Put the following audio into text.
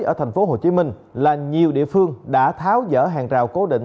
ở thành phố hồ chí minh là nhiều địa phương đã tháo dở hàng rào cố định